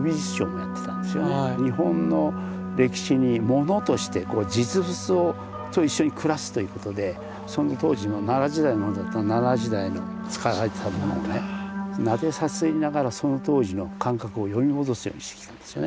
日本の歴史に物として実物と一緒に暮らすということでその当時の奈良時代のだったら奈良時代の使われてた物をねなでさすりながらその当時の感覚を呼び戻すようにしてきたんですよね。